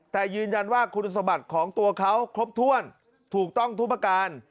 แต่ยืนยันว่าคุณสมบัติของตัวเขาครบถ้วนถูกต้องทุกประการ